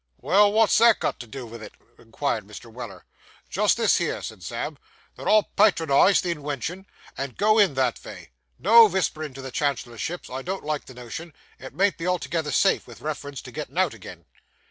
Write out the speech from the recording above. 'Well, wot's that got to do vith it?' inquired Mr. Weller. 'Just this here,' said Sam, 'that I'll patronise the inwention, and go in, that vay. No visperin's to the Chancellorship I don't like the notion. It mayn't be altogether safe, vith reference to gettin' out agin.